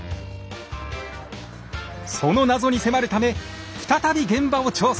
その謎に迫るため再び現場を調査！